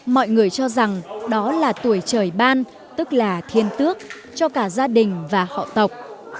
mọi người cho rằng đó là tuổi trời ban tức là thiên tước cho cả gia đình và họ tộc